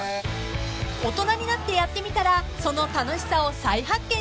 ［大人になってやってみたらその楽しさを再発見した中川さん］